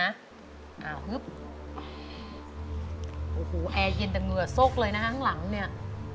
แอร์เย็นแต่เหงื่อสกเลยนะข้างหลังเนี่ย